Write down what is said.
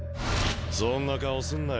そんな顔すんなよ。